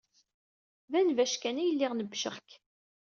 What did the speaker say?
D anbac kan ay lliɣ nebbceɣ-k.